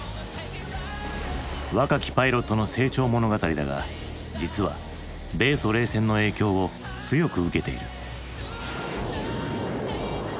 若きパイロットの成長物語だが実は米ソ冷戦の影響を強く受けている。